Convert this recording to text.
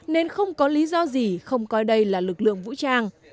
nên không có lý do gì không coi đây là lực lượng vũ trang